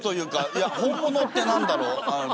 いや本物って何だろう？